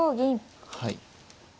はい。